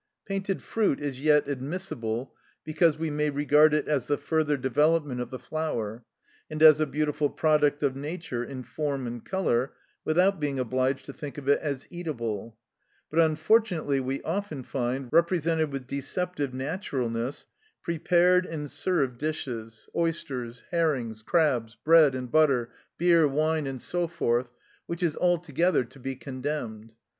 Painted fruit is yet admissible, because we may regard it as the further development of the flower, and as a beautiful product of nature in form and colour, without being obliged to think of it as eatable; but unfortunately we often find, represented with deceptive naturalness, prepared and served dishes, oysters, herrings, crabs, bread and butter, beer, wine, and so forth, which is altogether to be condemned.